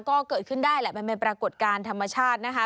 ก็เกิดขึ้นได้แหละมันเป็นปรากฏการณ์ธรรมชาตินะคะ